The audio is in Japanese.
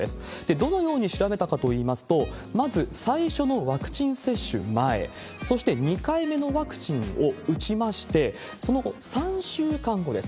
どのように調べたかといいますと、まず最初のワクチン接種前、そして２回目のワクチンを打ちまして、その後、３週間後です。